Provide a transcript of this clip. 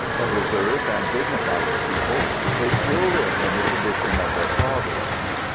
A reserved and dignified people, they still live in the tradition of their fathers.